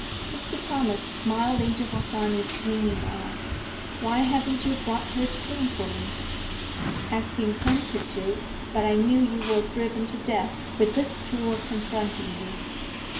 Mr. Thomas smiled into Harsanyi's gleaming eye. "Why haven't you brought her to sing for me?" "I've been tempted to, but I knew you were driven to death, with this tour confronting you."